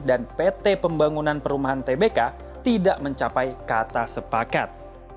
dan pt pembangunan perumahan tbk tidak mencapai kata sepakat